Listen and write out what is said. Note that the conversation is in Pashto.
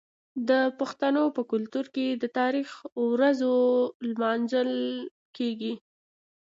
د پښتنو په کلتور کې د تاریخي ورځو لمانځل کیږي.